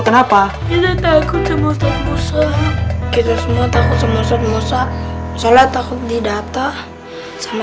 kenapa kita takut semua ustadz musa kita semua takut semua ustadz musa sholat takut di data sama